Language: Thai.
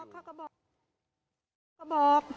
เขาก็บอก